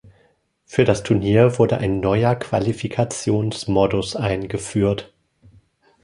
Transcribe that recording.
Für das Turnier wurde ein neuer Qualifikationsmodus eingeführt.